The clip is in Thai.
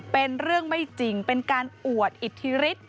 เป็นเรื่องไม่จริงเป็นการอวดอิทธิฤทธิ์